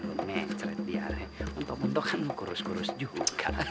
ngecerit dia untuk untuk kan kurus kurus juga